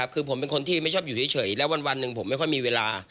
คือผมเป็นคนที่ไม่ชอบอยู่เฉยแล้ววันหนึ่งผมไม่ค่อยมีเวลา